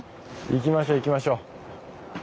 行きましょう行きましょう。